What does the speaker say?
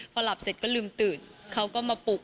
พอหลับเสร็จก็ลืมตื่นเขาก็มาปลุก